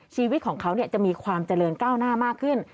ชีวิตของเขาจะมีความเจริญก้าวหน้ามากขึ้น